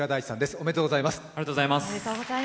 おめでとうございます。